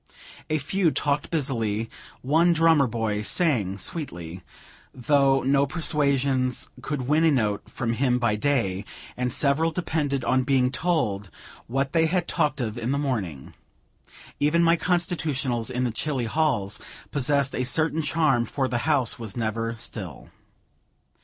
A few talked busily; one drummer boy sang sweetly, though no persuasions could win a note from him by day; and several depended on being told what they had talked of in the morning. Even my constitutionals in the chilly halls, possessed a certain charm, for the house was never still.